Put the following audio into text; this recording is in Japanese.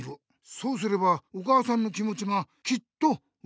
そうすればお母さんの気もちがきっと分かると思うぞ。